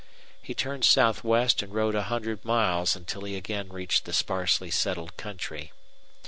He turned southwest and rode a hundred miles until he again reached the sparsely settled country.